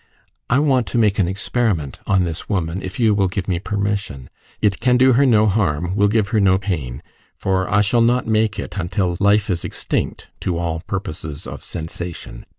I want to make an experiment on this woman, if you will give me permission. It can do her no harm will give her no pain for I shall not make it until life is extinct to all purposes of sensation.